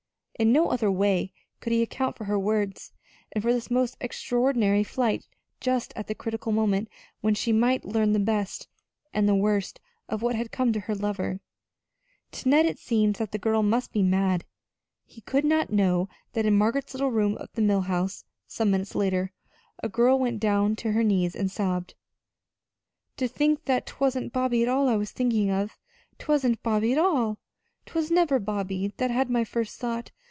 In no other way could he account for her words, and for this most extraordinary flight just at the critical moment when she might learn the best and the worst of what had come to her lover. To Ned it seemed that the girl must be mad. He could not know that in Margaret's little room at the Mill House some minutes later, a girl went down on her knees and sobbed: "To think that 'twasn't Bobby at all that I was thinking of 'twasn't Bobby at all! 'Twas never Bobby that had my first thought.